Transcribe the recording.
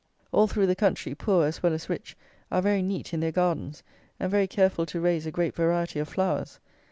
All through the country, poor, as well as rich, are very neat in their gardens, and very careful to raise a great variety of flowers.